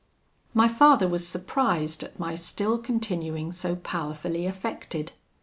"My father was surprised at my still continuing so powerfully affected.